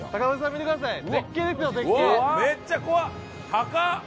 高っ！